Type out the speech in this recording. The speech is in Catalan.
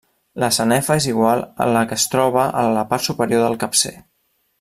La sanefa és igual a la que es troba a la part superior el capcer.